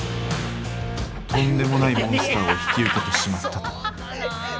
とんでもないモンスターを引き受けてしまったと。